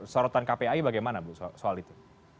sorotan kpai bagaimana bu soal itu